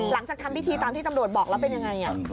หลังจากทำพิธีตามที่ตำรวจบอกแล้วเป็นยังไง